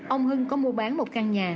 ông hưng có mua bán một căn nhà